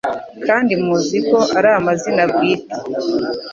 kandi muziko ari amazina bwite